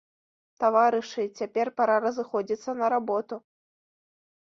Таварышы, цяпер пара разыходзіцца на работу.